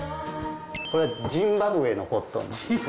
これジンバブエのコットンです。